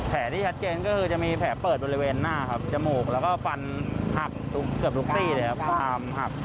ที่ชัดเจนก็คือจะมีแผลเปิดบริเวณหน้าครับจมูกแล้วก็ฟันหักเกือบทุกซี่เลยครับอามหัก